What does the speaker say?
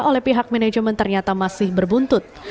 oleh pihak manajemen ternyata masih berbuntut